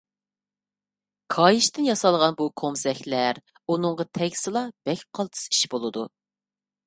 كاھىشتىن ياسالغان بۇ كومزەكلەر ئۇنىڭغا تەگسىلا بەك قالتىس ئىش بولىدۇ.